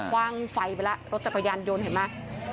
ว่างไฟไปแล้วรถจักรยานยนต์เห็นไหม